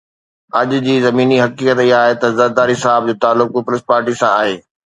اڄ جي زميني حقيقت اها آهي ته زرداري صاحب جو تعلق پيپلز پارٽي سان آهي